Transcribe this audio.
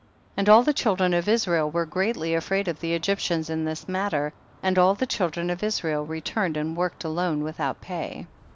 30. And all the children of Israel were greatly afraid of the Egyptians in this matter, and all the children of Israel returned and worked alone without pay.